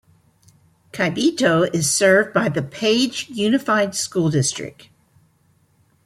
Kaibito is served by the Page Unified School District.